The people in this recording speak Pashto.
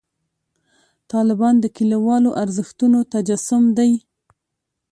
طالبان د کلیوالو ارزښتونو تجسم دی.